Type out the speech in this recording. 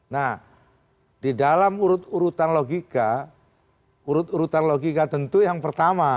nah di dalam urut urutan logika urut urutan logika tentu yang pertama